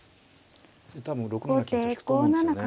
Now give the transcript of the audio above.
多分６七金と引くと思うんですよね。